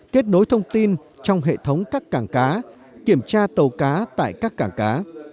kết nối thông tin trong hệ thống các cảng cá kiểm tra tàu cá tại các cảng cá